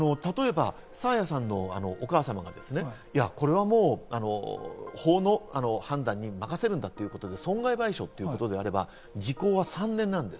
例えば爽彩さんのお母さん、これはもう法の判断に任せるんだということで損害賠償ということであれば時効は３年です。